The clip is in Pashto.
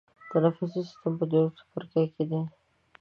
تنفسي سیستم په دویم څپرکي کې دی.